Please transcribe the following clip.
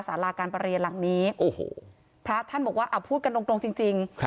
สาราการประเรียนหลังนี้โอ้โหพระท่านบอกว่าเอาพูดกันตรงจริง